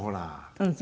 うん。